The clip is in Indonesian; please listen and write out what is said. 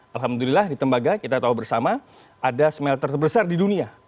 alhamdulillah di tembaga kita tahu bersama ada smelter terbesar di dunia